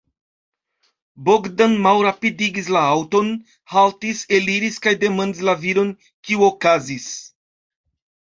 Bogdan malrapidigis la aŭton, haltis, eliris kaj demandis la viron, kio okazis.